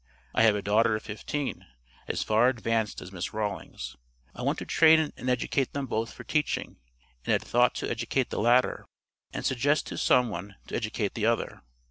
I have a daughter of fifteen, as far advanced as Miss Rawlings. I want to train and educate them both for teaching, and had thought to educate the latter, and suggest to some one to educate the other.